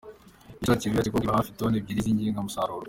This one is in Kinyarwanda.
Yacakiwe akekwaho kwiba hafi toni ebyiri z’inyongeramusaruro